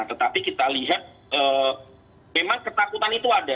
tetapi kita lihat memang ketakutan itu ada